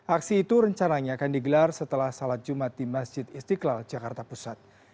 aksi itu rencananya akan digelar setelah salat jumat di masjid istiqlal jakarta pusat